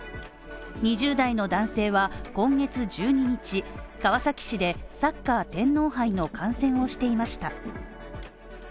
２０代の男性は今月１０日、川崎市でサッカー天皇杯の観戦をしていました。